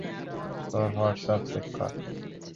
তোর WhatsApp check কর।